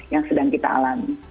yang sedang kita alami